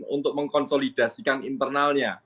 untuk mengkonsolidasikan internalnya